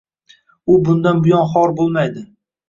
U bundan buyon xor boʻlmaydi